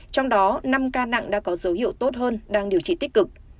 trong đó năm ca nặng đã có dấu hiệu tốt hơn đang điều trị tích cực